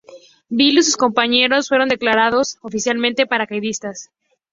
Bill y sus compañeros fueron declarados oficialmente paracaidistas.